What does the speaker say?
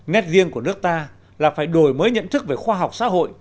nét riêng của nước ta là phải đổi mới nhận thức về khoa học xã hội